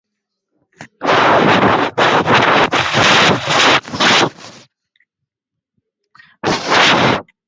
Katika hali mbaya sana ya kuoza kwato hungoka